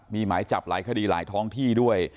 มีหมายจับหลายคดีหลายท้องที่ด้วย